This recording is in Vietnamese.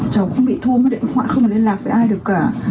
cháu cũng bị thua mất điện thoại không có liên lạc với ai được cả